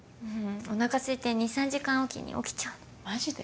おなかすいて２３時間おきに起きちゃうのマジで？